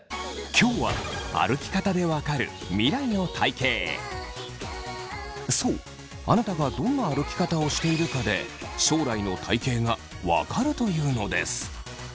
今日はそうあなたがどんな歩き方をしているかで将来の体型がわかるというのです。